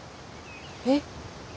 えっ？